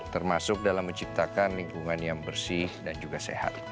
termasuk dalam menciptakan lingkungan yang bersih dan juga sehat